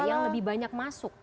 yang lebih banyak masuk